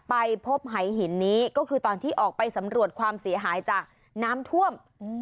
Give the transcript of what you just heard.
ไปพบหายหินนี้ก็คือตอนที่ออกไปสำรวจความเสียหายจากน้ำท่วม